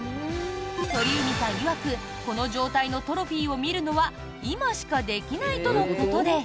鳥海さんいわくこの状態のトロフィーを見るのは今しかできないとのことで。